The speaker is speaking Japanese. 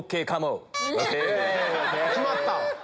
決まった。